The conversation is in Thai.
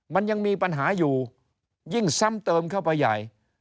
มันยังมีปัญหาอยู่ยิ่งซ้ำเติมเข้าไปใหญ่